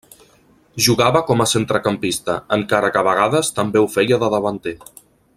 Jugava com a centrecampista, encara que a vegades també ho feia de davanter.